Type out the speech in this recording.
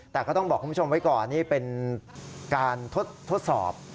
แต่ก็ต้องบอกคุณผู้ชมไว้ก่อนนี่เป็นการทดสอบ